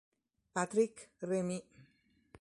Patrick Rémy